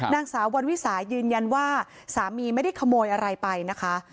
นางสาววันวิสายืนยันว่าสามีไม่ได้ขโมยอะไรไปนะคะ